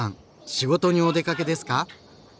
仕事にお出かけですか？